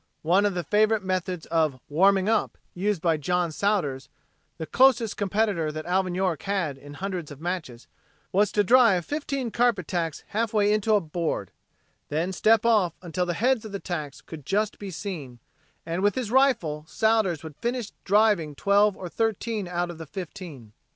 One of the favorite methods of "warming up" used by John Sowders, the closest competitor that Alvin York had in hundreds of matches, was to drive fifteen carpet tacks halfway into a board, then step off until the heads of the tacks could just be seen, and with his rifle Sowders would finish driving twelve or thirteen out of the fifteen.